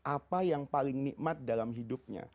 apa yang paling nikmat dalam hidupnya